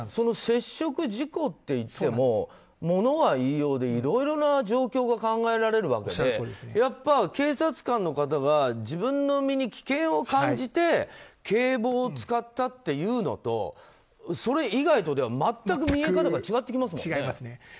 接触事故っていっても物は言いようでいろいろな状況が考えられるわけで警察官の方が自分の身に危険を感じて警棒を使ったっていうのとそれ以外とでは全く見え方が違ってきますもんね。